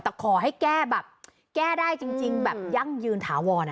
แต่ขอให้แก้แบบแก้ได้จริงแบบยั่งยืนถาวร